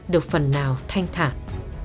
được phần nào thanh thản